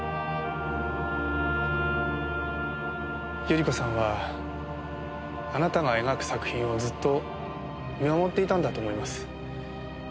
百合子さんはあなたが描く作品をずっと見守っていたんだと思います。